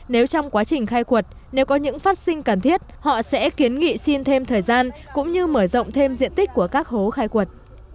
nếu trong quá trình khai quật nếu có những phát sinh cần thiết họ sẽ kiến nghị xin thêm thời gian cũng như mở rộng thêm diện tích của các hố khai quật